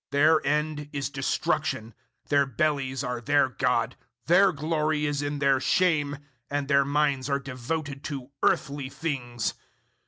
003:019 Their end is destruction, their bellies are their God, their glory is in their shame, and their minds are devoted to earthly things.